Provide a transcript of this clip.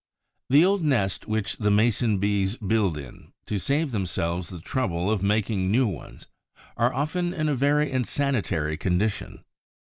The old nests which the Mason bees build in, to save themselves the trouble of making new ones, are often in a very insanitary condition.